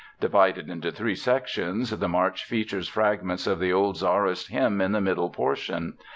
Divided into three sections, the march features fragments of the old Czarist hymn in the middle portion.